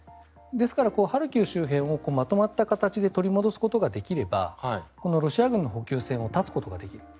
ですから、ハルキウ周辺をまとまった形で取り戻すことができればロシア軍の補給線を絶つことができる。